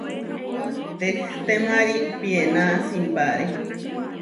Tehtémari piená simpáre.